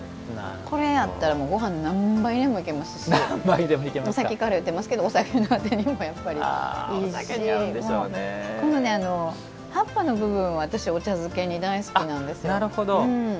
これあったら、ごはん何杯でもいけますしさっきから言ってますけどお酒のあてにもいいですし葉っぱの部分は私、お茶漬けに大好きなんですよ。